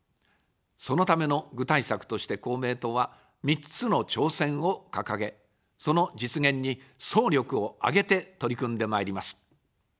そのための具体策として公明党は、３つの挑戦を掲げ、その実現に総力を挙げて取り組んでまいります。